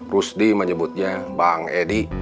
rusdi menyebutnya bang edy